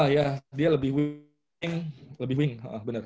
ya dia lebih wing lebih wing bener